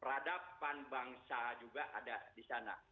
peradaban bangsa juga ada di sana